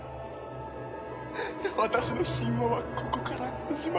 私の神話はここから始まる。